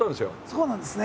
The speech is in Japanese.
そうなんですね。